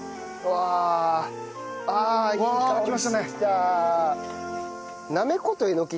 わあきましたね！